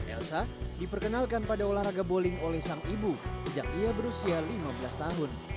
elsa diperkenalkan pada olahraga bowling oleh sang ibu sejak ia berusia lima belas tahun